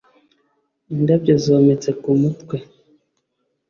Indabyo zometse ku mutwe